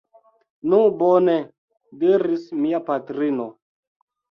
Nu bone! diris mia patrino.